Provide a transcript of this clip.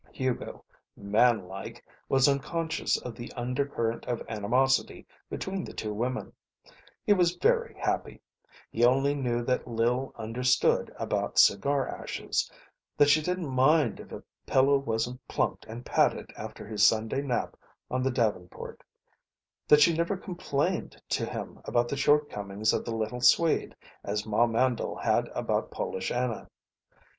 Hugo, man like, was unconscious of the undercurrent of animosity between the two women. He was very happy. He only knew that Lil understood about cigar ashes; that she didn't mind if a pillow wasn't plumped and patted after his Sunday nap on the davenport; that she never complained to him about the shortcomings of the little Swede, as Ma Mandle had about Polish Anna.